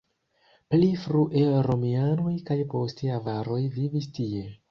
Pli frue romianoj kaj poste avaroj vivis tie.